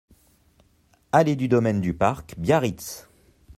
Allée du Domaine du Parc, Biarritz